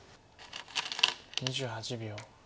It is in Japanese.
２８秒。